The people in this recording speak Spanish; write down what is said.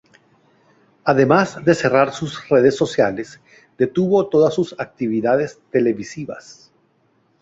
Además de cerrar sus redes sociales, detuvo todas sus actividades televisivas.